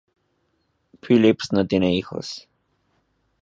Phyllis no tiene hijos.